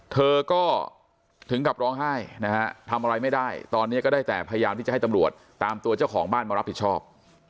เธอก็ถึงกับร้องไห้นะฮะทำอะไรไม่ได้ตอนนี้ก็ได้แต่พยายามที่จะให้ตำรวจตามตัวเจ้าของบ้านมารับผิดชอบ